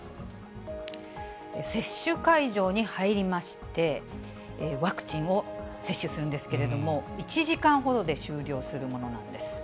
接種会場に入りまして、ワクチンを接種するんですけれども、１時間ほどで終了するものなんです。